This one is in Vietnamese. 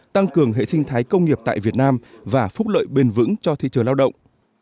tăng cường hệ sinh thái công nghiệp tại việt nam và phúc lợi bền vững cho thị trường lao động